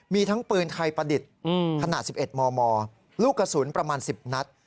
มีทั้งปืนไทยประดิษฐ์ขนาด๑๑มมลูกกระสุนประมาณ๑๐นัด